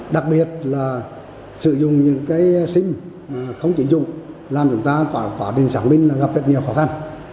đặc biệt là sử dụng sim không chỉnh dùng làm chúng ta gặp rất nhiều khó khăn